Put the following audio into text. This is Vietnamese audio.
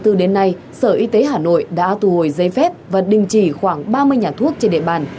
từ đến nay sở y tế hà nội đã tù hồi dây phép và đình chỉ khoảng ba mươi nhà thuốc trên địa bàn